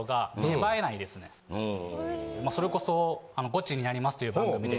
まあそれこそ「ゴチになります」っていう番組で。